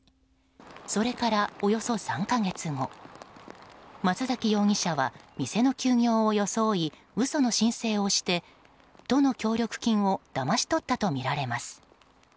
それからおよそ３か月後松崎容疑者は店の休業を装い嘘の申請をして都の協力金をだまし取ったとみられます。